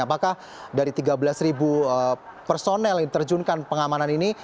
apakah dari tiga belas ribu personel yang terjunkan pengamanan ini